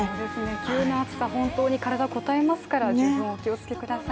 急な暑さ、本当に体応えますから十分お気をつけください。